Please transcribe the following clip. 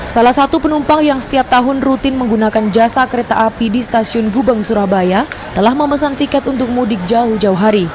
salah satu penumpang yang setiap tahun rutin menggunakan jasa kereta api di stasiun gubeng surabaya telah memesan tiket untuk mudik jauh jauh hari